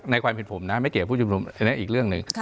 ในความผิดผมนะไม่เกี่ยวผู้จำนวนอีกเรื่องหนึ่ง